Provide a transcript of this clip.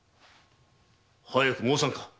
早く申さぬか？